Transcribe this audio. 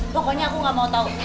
pokoknya aku gak mau tahu